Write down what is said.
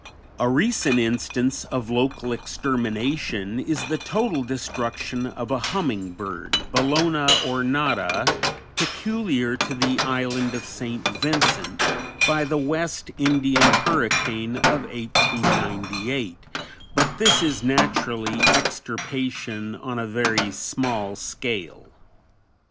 A recent instance of local extermination is the total destruction of a humming bird, Bellona ornata, peculiar to the island of St. Vincent, by the West Indian hurricane of 1898, but this is naturally extirpation on a very small scale.